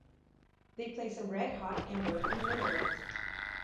They place a red-hot ember in the middle of it.